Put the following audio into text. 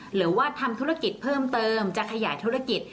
หรือว่าทำธุรกิจเพิ่มเติมจะขยายธุรกิจ